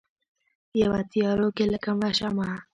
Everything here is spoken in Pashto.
یوه تیارو کې لکه مړه شمعه